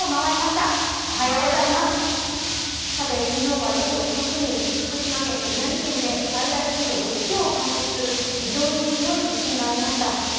昨日は夜遅くに福島県と宮城県で最大震度６強を観測する非常に強い地震がありました。